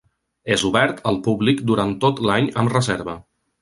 És obert al públic durant tot l'any amb reserva.